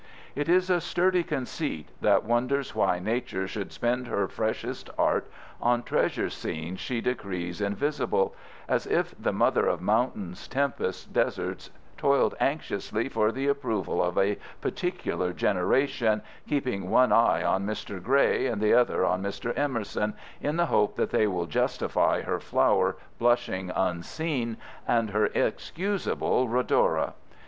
It is a sturdy conceit that wonders why Nature should spend her freshest art on treasure scenes she decrees invisible, as if the mother of mountains, tempests, deserts, toiled anxiously for the approval of a particular generation, keeping one eye on Mr. Gray and the other on Mr. Emerson in the hope that they will justify her flower blushing unseen and her excusable rhodora.